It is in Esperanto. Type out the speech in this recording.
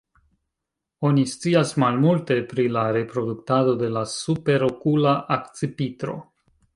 Oni scias malmulte pri la reproduktado de la Superokula akcipitro.